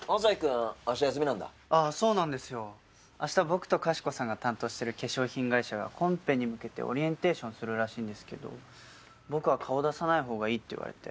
僕とかしこさんが担当してる化粧品会社がコンペに向けてオリエンテーションするらしいんですけど僕は顔出さないほうがいいって言われて。